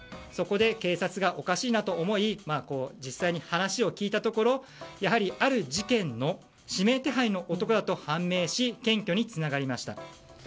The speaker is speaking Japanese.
そこで警察がおかしいなと思い実際に話を聞いたところある事件の指名手配の男だと判明し検挙につながりました。